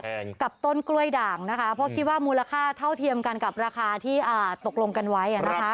กับต้นกล้วยด่างนะคะเพราะคิดว่ามูลค่าเท่าเทียมกันกับราคาที่ตกลงกันไว้